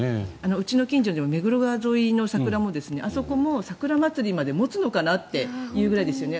うちの近所の目黒川沿いの桜もあそこも桜まつりまで持つのかなっていうぐらいですよね。